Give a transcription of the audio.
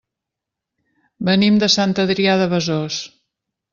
Venim de Sant Adrià de Besòs.